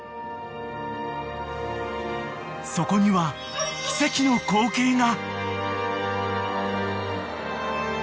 ［そこには奇跡の光景が］